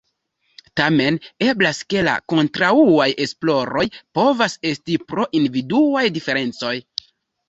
Tamen, eblas ke la kontraŭaj esploroj povas esti pro individuaj diferencoj.